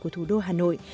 của thủ đô hà nội